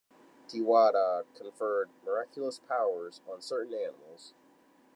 Tirawa conferred miraculous powers on certain animals.